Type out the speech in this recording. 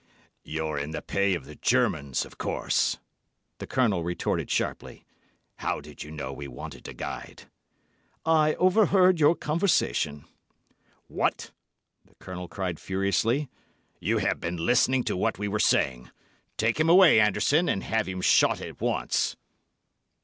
"You're in the pay of the Germans, of course," the Colonel retorted sharply. "How did you know we wanted a guide?" "I overheard your conversation." "What!" the Colonel cried furiously. "You have been listening to what we were saying. Take him away, Anderson, and have him shot at once."